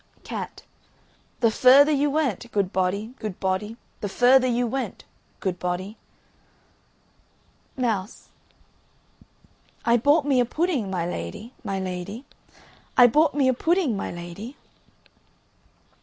CAT. The further you went, good body, good body The further you went, good body. MOUSE. I bought me a pudding, my lady, my lady, I bought me a pudding, my lady.